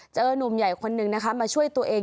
เจอนุ่มใหญ่คนหนึ่งมาช่วยตัวเอง